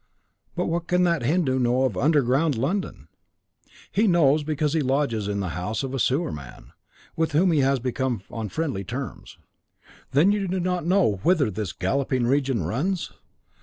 "But what can that Hindu know of underground London?" "He knows because he lodges in the house of a sewer man, with whom he has become on friendly terms." "Then you do not know whither this galloping legion runs?"